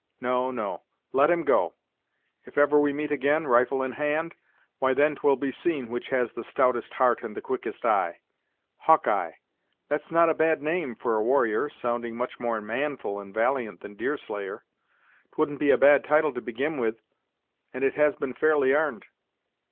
No, no, let him go; if ever we meet ag'in, rifle in hand, why then 'twill be seen which has the stoutest heart and the quickest eye. Hawkeye! That's not a bad name for a warrior, sounding much more manful and valiant than Deerslayer! 'Twouldn't be a bad title to begin with, and it has been fairly 'arned.